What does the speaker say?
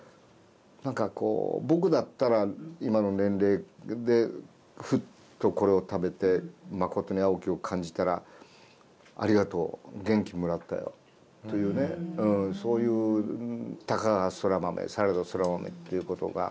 何か僕だったら今の年齢でふっとこれを食べて「まことに青き」を感じたら「ありがとう元気もらったよ」というそういう「たかがそら豆されどそら豆」っていうことが感じる感じがするね。